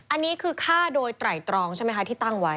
อันนี้คือฆ่าโดยไตรตรองใช่ไหมคะที่ตั้งไว้